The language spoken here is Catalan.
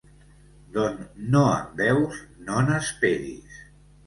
D'on no en veus, no n'esperis.